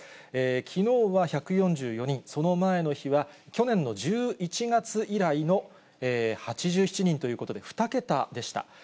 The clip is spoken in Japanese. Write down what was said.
きのうは１４４人、その前の日は、去年の１１月以来の８７人ということで、２桁でした。